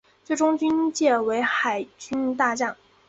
最终军阶为海军大将。